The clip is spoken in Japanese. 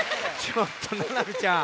ちょっとななみちゃん。